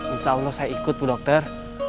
insya allah saya ikut bu dokter